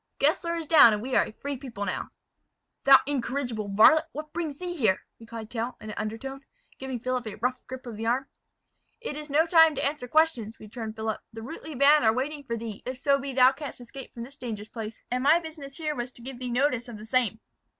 Gessler is down, and we are a free people now." "Thou incorrigible varlet, what brings thee here?" replied Tell, in an undervoice, giving Philip a rough grip of the arm. "It is no time to answer questions," returned Philip. "The Rutli band are waiting for thee, if so be thou canst escape from this dangerous place; and my business here was to give thee notice of the same."